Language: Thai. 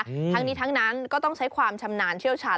ทั้งนี้ทั้งนั้นก็ต้องใช้ความชำนาญเชี่ยวชาญ